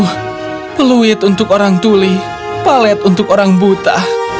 wah peluit untuk orang tuli palet untuk orang buta